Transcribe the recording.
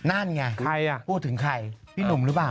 นั่นไงใครอ่ะพูดถึงใครพี่หนุ่มหรือเปล่า